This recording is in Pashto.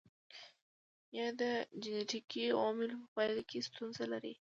یا د جنېټیکي عواملو په پایله کې ستونزه لري.